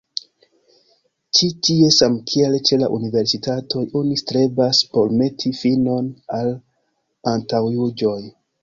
Ĉi tie, samkiel ĉe la universitatoj, oni strebas por meti finon al antaŭjuĝoj".